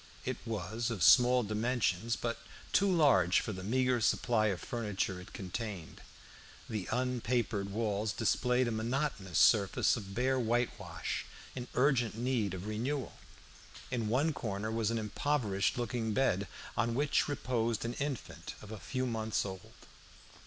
It was of small dimensions, but too large for the meagre supply of furniture it contained. The unpapered walls displayed a monotonous surface of bare whitewash in urgent need of renewal. In one corner was an impoverished looking bed, on which reposed an infant of a few months old.